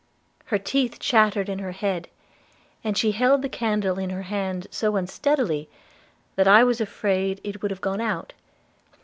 Her teeth chattered in her head, and she held the candle in her hand so unsteadily that I was afraid it would have gone out.